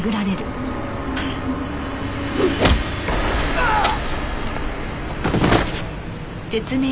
うわあっ！